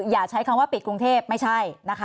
อย่าใช้คำว่าปิดกรุงเทพไม่ใช่นะคะ